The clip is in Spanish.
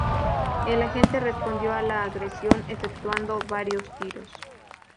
El agente respondió a la agresión efectuando varios tiros.